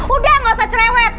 udah nggak usah cerewet